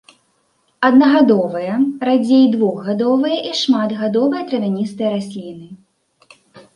Аднагадовыя, радзей двухгадовыя і шматгадовыя травяністыя расліны.